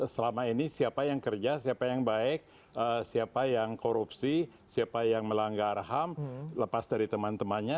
selama ini siapa yang kerja siapa yang baik siapa yang korupsi siapa yang melanggar ham lepas dari teman temannya